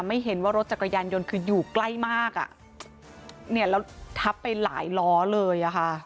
ไม่เห็นว่ารถจักรยานยนต์คืออยู่ใกล้มากอ่ะเนี่ยแล้วทับไปหลายล้อเลยอ่ะค่ะ